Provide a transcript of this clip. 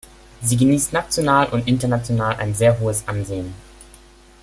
Sie genießt national und international ein sehr hohes Ansehen.